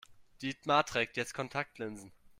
Dietmar trägt jetzt Kontaktlinsen.